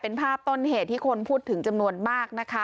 เป็นภาพต้นเหตุที่คนพูดถึงจำนวนมากนะคะ